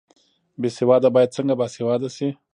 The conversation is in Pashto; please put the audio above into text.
بې سواده باید څنګه باسواده شي؟